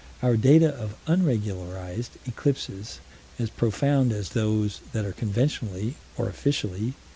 Our data of unregularized eclipses, as profound as those that are conventionally or officially?